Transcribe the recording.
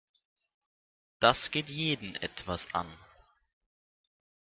Das geht jeden etwas an.